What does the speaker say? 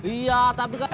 iya tapi kan